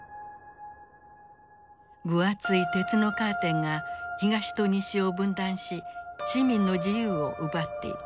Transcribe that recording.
分厚い鉄のカーテンが東と西を分断し市民の自由を奪っていた。